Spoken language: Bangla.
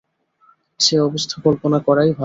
সে অবস্থা কল্পনা করাই ভালো ।